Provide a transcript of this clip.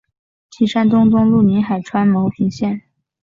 金山东东路宁海州牟平县。